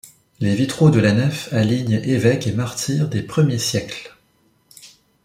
Les vitraux de la nef alignent évêques et martyrs des premiers siècles.